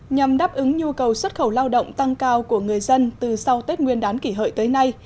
nhằm đáp ứng nhu cầu xuất khẩu lao động tăng cao của người dân từ sau tết nguyên đán kỷ hợi tới nay